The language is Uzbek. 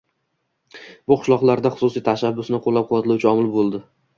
bu qishloqlarda xususiy tashabbusni qo‘llab-quvvatlovchi omil bo‘ldi